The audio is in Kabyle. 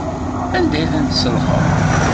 Anda ay tent-tselxeḍ?